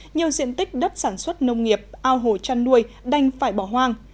nhiều diện tích đất sản xuất nông nghiệp ao hồ chăn nuôi đành phải bỏ hoang